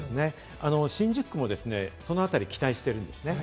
新宿区もそのあたり期待してるんですね。